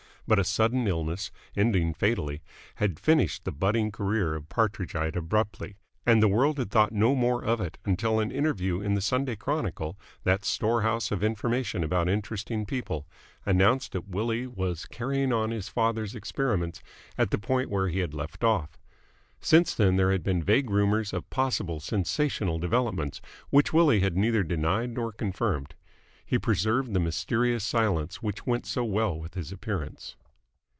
But a sudden illness, ending fatally, had finished the budding career of Partridgite abruptly, and the world had thought no more of it until an interview in the Sunday Chronicle, that store house of information about interesting people, announced that Willie was carrying on his father's experiments at the point where he had left off. Since then there had been vague rumours of possible sensational developments, which Willie had neither denied nor confirmed. He preserved the mysterious silence which went so well with his appearance.